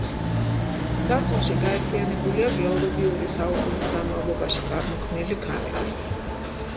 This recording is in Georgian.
სართულში გაერთიანებულია გეოლოგიური საუკუნის განმავლობაში წარმოქმნილი ქანები.